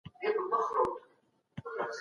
هو